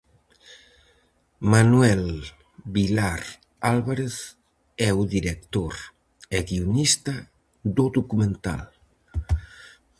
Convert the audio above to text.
Manuel Vilar Álvarez é o director e guionista do documental.